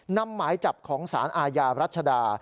หมายจับของสารอาญารัชดา